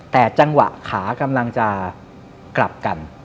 แต่จังหวะขากำลังจะกลับกัน